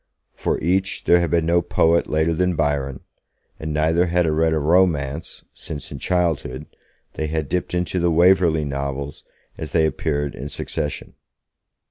For each there had been no poet later than Byron, and neither had read a romance since, in childhood, they had dipped into the Waverley Novels as they appeared in succession.